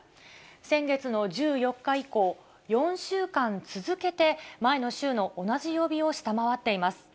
先月の１４日以降、４週間続けて前の週の同じ曜日を下回っています。